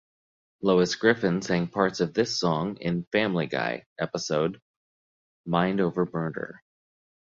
Lois Griffin sang parts of this song in "Family Guy" episode "Mind Over Murder".